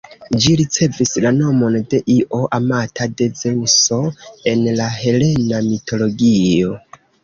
Ĝi ricevis la nomon de Io, amata de Zeŭso en la helena mitologio.